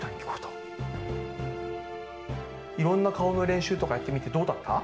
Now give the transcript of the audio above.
いろんなかおのれんしゅうとかやってみてどうだった？